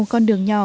con đường nhỏ